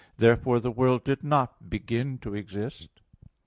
Therefore the world did not begin to exist.